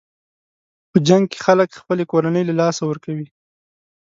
په جنګ کې خلک خپلې کورنۍ له لاسه ورکوي.